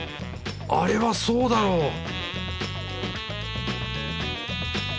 あれはそうだろう！